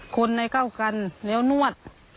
คนในเข้ากันแล้วนวด